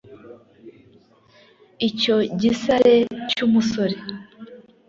icyo gisare cy’umusore